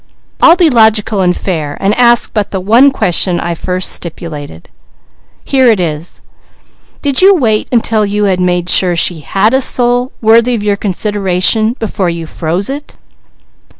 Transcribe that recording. I'll be logical and fair, and ask but the one question I first stipulated. Here it is: did you wait until you made sure she had a soul, worthy of your consideration, before you froze it?"